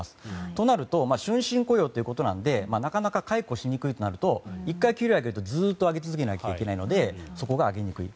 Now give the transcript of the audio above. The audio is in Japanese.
となると終身雇用なのでなかなか解雇しにくいとなると１回給料上げると上げ続けないといけないのでそこが上げにくい。